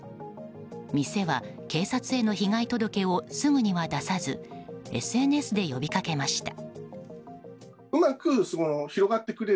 店は、警察への被害届けをすぐには出さずＳＮＳで呼びかけました。